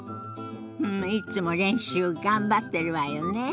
いつも練習頑張ってるわよね。